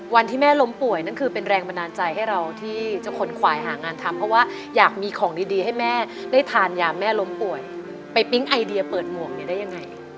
วันที่แม่ล้มป่วยนั่นคือเป็นแรงบันดาลใจให้เราที่เจ้าคนควายหางานทำเพราะว่าอยากมีของดีให้แม่ได้ทานยาแม่ล้มป่วยไปปิ๊งไอเดียเปิดหมวกเนี่ยได้ยังไง